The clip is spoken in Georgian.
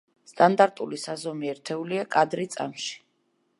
სტანდარტული საზომი ერთეულია კადრი წამში.